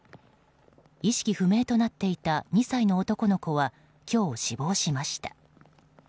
意識不明となっていた２歳の男の子は今日、死亡しました。